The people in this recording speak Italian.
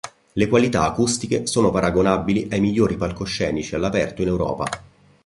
Le qualità acustiche sono paragonabili ai migliori palcoscenici all'aperto in Europa.